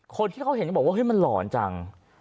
คนที่เขาเห็นก็บอกว่าเฮ้ยมันหลอนจัง